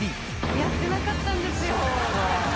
やってなかったんですよ。